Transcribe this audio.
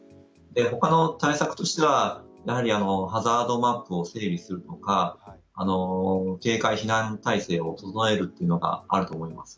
ほかの対策としてはやはりハザードマップを整理するとか警戒避難体制を整えるというのがあると思います。